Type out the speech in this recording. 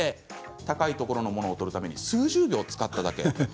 高いところのものを取るために数十秒、使っただけ。